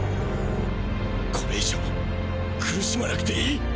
これ以上苦しまなくていい！